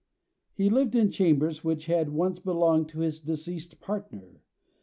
He lived in chambers which had once belonged to his deceased partner.